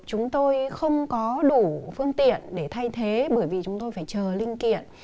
chúng tôi không có đủ phương tiện để thay thế bởi vì chúng tôi phải chờ linh kiện